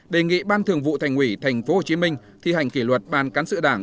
đề nghị ban thường vụ thành ủy tp hcm thi hành kỷ luật ban cán sự đảng